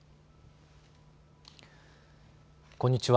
こんにちは。